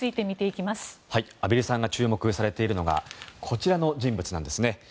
畔蒜さんが注目されているのがこちらの人物なんですね。